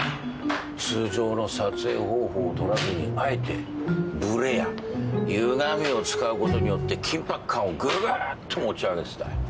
通常の撮影方法をとらずにあえてブレやゆがみを使うことによって緊迫感をぐぐっと持ち上げてた。